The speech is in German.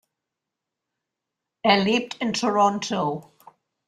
Er lebt in Toronto.